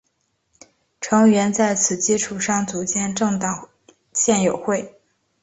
成员在此基础上组建政党宪友会。